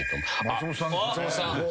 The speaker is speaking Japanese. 松本さん。